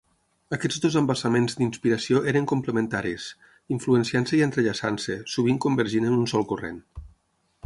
Aquests dos embassaments d'inspiració eren complementaris, influenciant-se i entrellaçant-se, sovint convergint en un sol corrent.